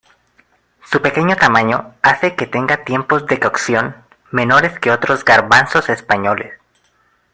Su pequeño tamaño hace que tenga tiempos de cocción menores que otros garbanzos españoles.